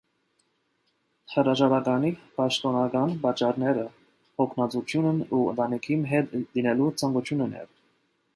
Հրաժարականի պաշտոնական պատճառները հոգնածությունն ու ընտանիքի հետ լինելու ցանկությունն էր։